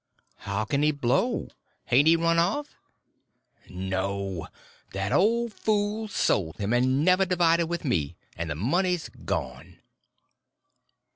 "How can he blow? Hain't he run off?" "No! That old fool sold him, and never divided with me, and the money's gone."